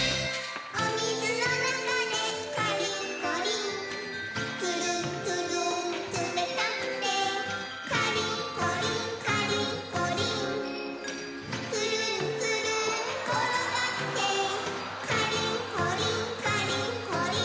「おみずのなかでカリンコリン」「ツルンツルンつめたくて」「カリンコリンカリンコリン」「ツルンツルンころがって」「カリンコリンカリンコリン」